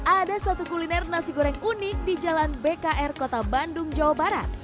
ada satu kuliner nasi goreng unik di jalan bkr kota bandung jawa barat